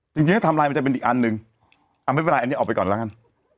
จริงจริงให้ทำลายมันจะเป็นอีกอันนึงอ่าไม่เป็นไรอันนี้ออกไปก่อนแล้วกัน